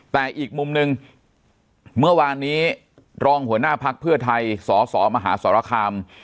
แต่อีกมุมหนึ่งเมื่อวานนี้รองหัวหน้าภักดิ์เพื่อไทยสสมหาสรคาม